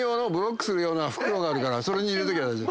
それに入れときゃ大丈夫。